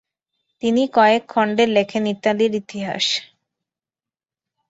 তিনি কয়েক খণ্ডে লেখেন ইতালির ইতিহাস।